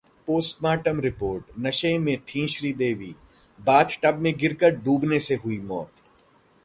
postmortem report: नशे में थीं श्रीदेवी, बाथटब में गिरकर डूबने से हुई मौत